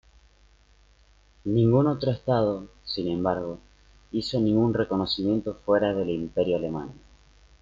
Ningún otro estado, sin embargo, hizo ningún reconocimiento fuera del Imperio alemán.